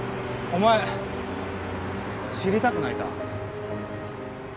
お前知りたくないか？